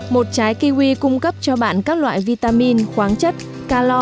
một trái kiwi cung cấp cho bạn các loại vitamin khoáng chất calor